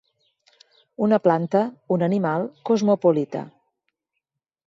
Una planta, un animal, cosmopolita.